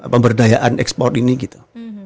pemberdayaan ekspor ini gitu